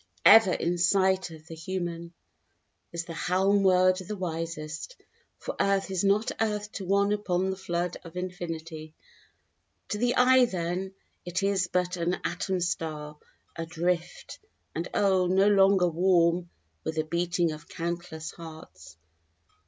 "Ever in sight of the human," is the helm word of the wisest, For earth is not earth to one upon the flood of infinity; To the eye, then, it is but an atom star, adrift, and oh, No longer warm with the beating of countless hearts.